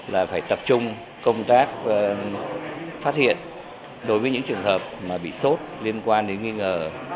là phải tập trung công tác phát hiện đối với những trường hợp mà bị sốt liên quan đến nghi ngờ